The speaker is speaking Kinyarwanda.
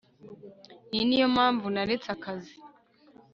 iyi niyo mpamvu naretse akazi